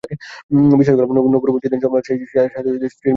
বিশ্বাস করলাম নবু-রবু যেদিন জন্মাল সেই রাতেই সাপের দংশনে স্ত্রীর মৃত্যুর ঘটনায়।